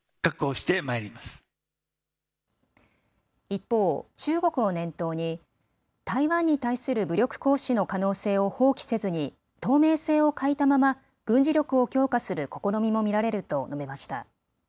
一方、中国を念頭に台湾に対する武力行使の可能性を放棄せずに透明性を欠いたまま軍事力を強化する試みも見られると述べました。